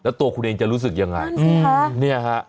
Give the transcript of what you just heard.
แล้วตัวคุณเองจะรู้สึกยังไงเนี่ยฮะ